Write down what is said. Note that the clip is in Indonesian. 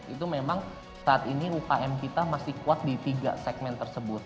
itu memang saat ini ukm kita masih kuat di tiga segmen tersebut